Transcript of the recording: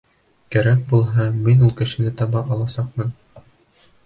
— Кәрәк булһа, мин ул кешене таба аласаҡмынмы?